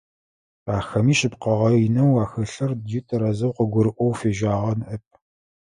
Ахэми шъыпкъэгъэ инэу ахэлъыр джы тэрэзэу къыгурыӀоу фежьагъэ ныӀэп.